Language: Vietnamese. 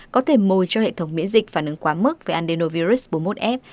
có thể môi cho hệ thống miễn dịch phản ứng quá mức về adenovirus bốn mươi một f